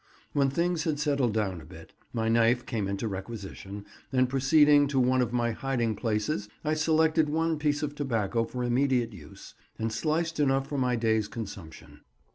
When things had settled down a bit, my knife came into requisition, and proceeding to one of my hiding places I selected one piece of tobacco for immediate use, and sliced enough for my day's consumption.